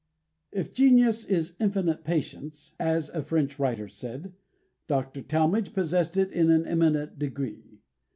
If "Genius is infinite patience," as a French writer said, Dr. Talmage possessed it in an eminent degree.